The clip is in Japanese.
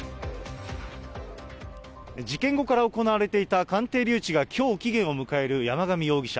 事件後から行われていた鑑定留置がきょう期限を迎える山上容疑者。